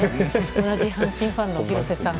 同じ阪神ファンの廣瀬さん